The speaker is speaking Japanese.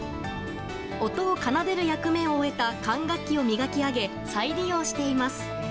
音を奏でる役目を終えた管楽器を磨き上げ再利用しています。